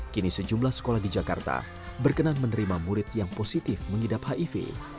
kini sejumlah sekolah di jakarta berkenan menerima murid yang positif mengidap hiv